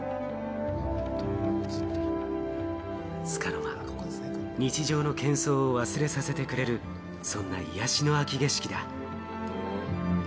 つかの間、日常のけん騒を忘れさせてくれる、そんな癒やしの秋景色だ。